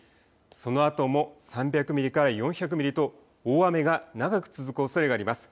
そのあとも３００ミリから４００ミリと大雨が長く続くおそれがあります。